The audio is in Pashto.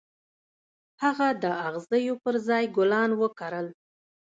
هغه د اغزيو پر ځای ګلان وکرل.